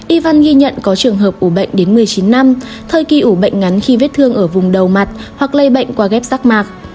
y văn ghi nhận có trường hợp ủ bệnh đến một mươi chín năm thời kỳ ủ bệnh ngắn khi vết thương ở vùng đầu mặt hoặc lây bệnh qua ghép rác mạc